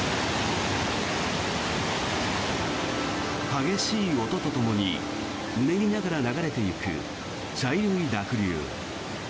激しい音とともにうねりながら流れていく、茶色い濁流。